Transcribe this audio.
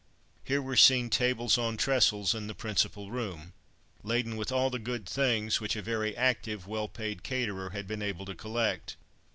Here were seen tables on trestles in the principal room, laden with all the good things which a very active, well paid caterer had been able to collect.